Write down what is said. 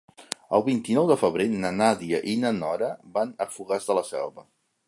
El vint-i-nou de febrer na Nàdia i na Nora van a Fogars de la Selva.